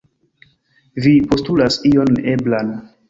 Vi postulas ion neeblan.